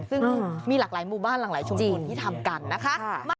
ซึ่งมีหลากหลายหมู่บ้านหลากหลายชุมชนที่ทำกันนะคะ